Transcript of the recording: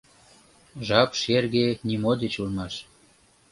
Жап шерге нимо деч улмаш